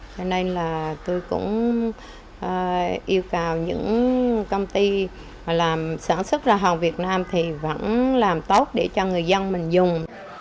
cho nên là tôi cũng yêu cầu những công ty làm sản xuất ra hàng việt nam thì vẫn làm tốt để cho người dân mình dùng